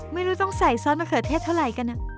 ไม่รู้ต้องใส่ซอสมะเขือเทศเท่าไหร่กัน